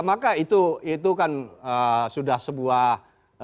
maka itu kan sudah sebuah